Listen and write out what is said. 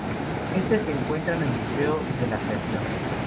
Este se encuentra en el Museo de la Creación.